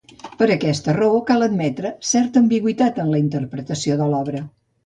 Per aquesta raó, cal admetre certa ambigüitat en la interpretació de l'obra.